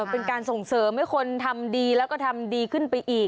เป็นการส่งเสริมให้คนทำดีแล้วก็ทำดีขึ้นไปอีก